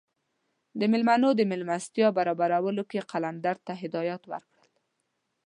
د میلمنو د میلمستیا برابرولو کې یې قلندر ته هدایات ورکړل.